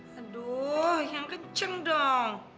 aduh yang kenceng dong